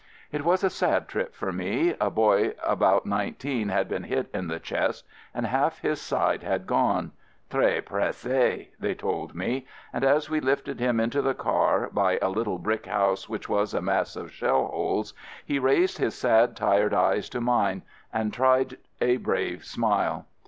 It was a sad trip for me — a boy about nineteen had been hit in the chest and half his side had gone, — "tres presse" they told me, — and as we lifted him into the car, by a little brick house which was a mass of shell holes, he raised his sad, tired eyes to mine and tried a brave smile.